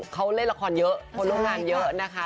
เขาเล่นละครเยอะคนร่วมงานเยอะนะคะ